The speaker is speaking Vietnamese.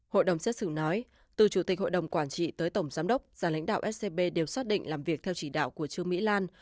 hội đồng xét xử nói từ chủ tịch hội đồng quản trị tới tổng giám đốc ra lãnh đạo scb đều xác định làm việc theo chỉ đạo của trương mỹ lan